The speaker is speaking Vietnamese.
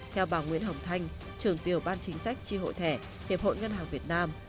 theo bà nguyễn hồng thanh trường tiểu ban chính sách tri hội thẻ hiệp hội ngân hàng việt nam